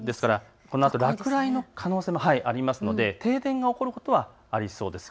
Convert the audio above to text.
このあと落雷の可能性があるので停電が起こることはありそうです。